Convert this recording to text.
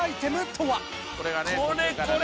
これこれ！